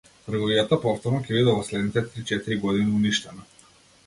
Трговијата повторно ќе биде во следните три-четири години уништена.